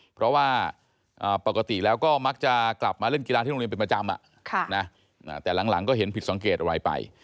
เพราะว่าปกติแล้วก็มักจะกลับมาเล่นกีฬาที่โรงเรียนเป็นประจำ